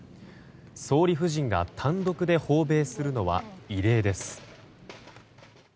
総理夫人が単独で訪米するのは異例です。